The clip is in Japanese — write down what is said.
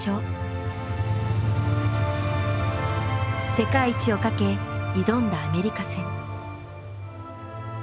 世界一をかけ挑んだアメリカ戦。